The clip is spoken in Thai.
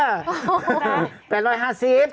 ครับผมพรต่อเองเด้อ